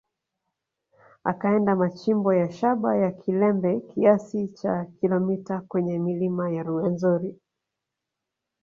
Akaenda machimbo ya shaba ya Kilembe kiasi cha kilometa kwenye milima ya Ruwenzori